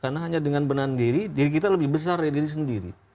karena hanya dengan menahan diri diri kita lebih besar dari diri sendiri